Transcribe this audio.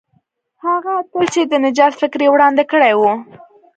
هغه اتل چې د نجات فکر یې وړاندې کړی وو.